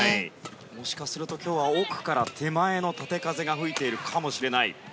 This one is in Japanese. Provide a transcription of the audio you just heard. もしかすると今日は奥から手前への縦風が吹いているかもしれない。